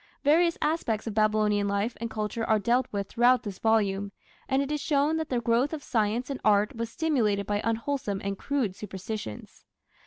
Various aspects of Babylonian life and culture are dealt with throughout this volume, and it is shown that the growth of science and art was stimulated by unwholesome and crude superstitions.